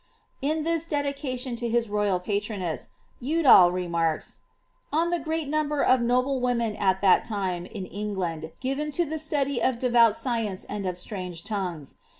Id this dedication to his royal patroness, Udal remarks, ^^ on the great ■ninber of noble women at that time in fing^land given to the study of devout science and of strange tongues.